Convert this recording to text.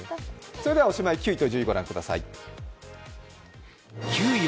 それではおしまい、９位と１０位をご覧ください。